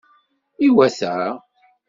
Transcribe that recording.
Iwata!